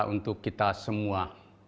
dan untuk kita semua